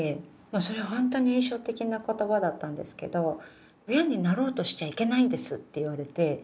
もうそれは本当に印象的な言葉だったんですけど「親になろうとしちゃいけないんです」って言われて。